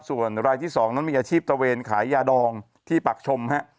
ส่วนรายที่๒นั้นมีอาชีพตะเวนขายยาดองที่ปากชมฮะ